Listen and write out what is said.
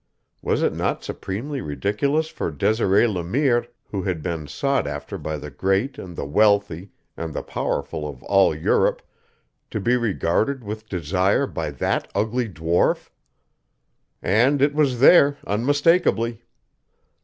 Was it not supremely ridiculous for Desiree Le Mire, who had been sought after by the great and the wealthy and the powerful of all Europe, to be regarded with desire by that ugly dwarf? And it was there, unmistakably.